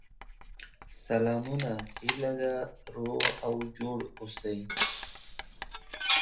He was heading the Information Unit at the Department of Information and Promotion.